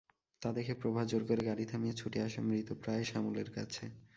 তা দেখে প্রভা জোর করে গাড়ি থামিয়ে ছুটে আসে মৃতপ্রায় শ্যামলের কাছে।